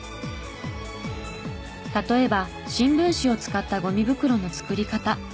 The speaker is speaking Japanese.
例えば新聞紙を使ったごみ袋の作り方